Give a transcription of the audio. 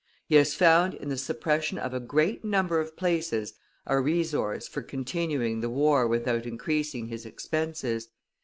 He has found in the suppression of a great number of places a resource for continuing the war without increasing his expenses.